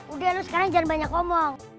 udah lo sekarang jangan banyak omong